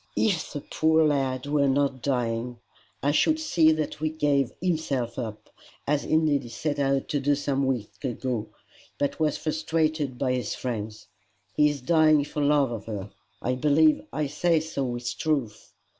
"If the poor lad were not dying, I should see that he gave himself up, as indeed he set out to do some weeks ago, but was frustrated by his friends. He is dying for love of her. I believe I say so with truth.